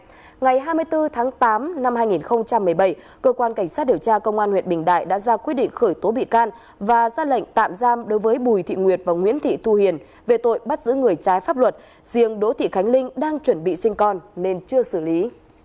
ngày hai mươi bốn tháng tám năm hai nghìn một mươi bảy cơ quan cảnh sát điều tra công an huyện bình đại đã ra quyết định khởi tố bị can và ra lệnh tạm giam đối với bùi thị nguyệt và nguyễn thị thu hiền về tội bắt giữ người trái pháp luật riêng đỗ thị khánh linh đang chuẩn bị sinh con nên chưa xử lý